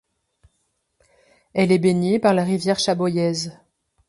Elle est baignée par la rivière Chaboillez.